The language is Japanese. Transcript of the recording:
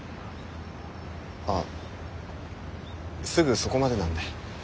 ああすぐそこまでなんで。